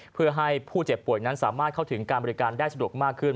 เพื่อให้ผู้เจ็บป่วยนั้นสามารถเข้าถึงการบริการได้สะดวกมากขึ้น